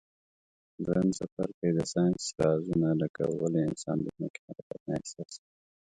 دویم څپرکی د ساینس رازونه لکه ولي انسان د ځمکي حرکت نه احساسوي.